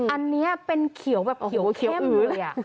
อันนี้เป็นเขียวแบบเขียวเลย